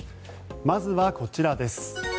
まずはこちらです。